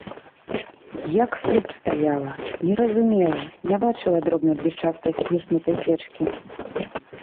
Як слуп стаяла, не разумела, не бачыла дробнай блішчастай сплюснутай сечкі.